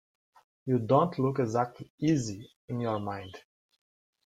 You don't look exactly easy in your mind.